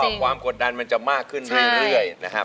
แล้วก็ความกดดันมันจะมากขึ้นเรื่อย